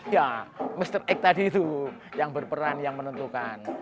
ya mr x tadi itu yang berperan yang menentukan